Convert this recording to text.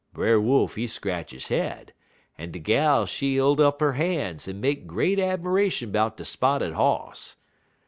"Brer Wolf, he scratch he head, en de gal she hilt up 'er han's en make great 'miration 'bout de spotted hoss.